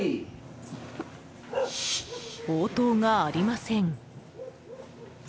応答がありません。